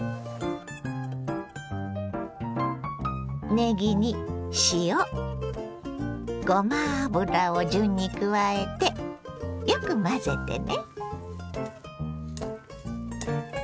ねぎに塩ごま油を順に加えてよく混ぜてね。